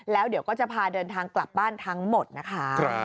แล้วเดี๋ยวก็จะพาเดินทางกลับบ้านทั้งหมดนะคะ